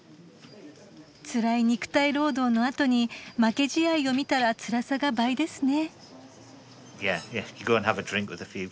つらい肉体労働のあとに負け試合を見たらつらさが倍ですね。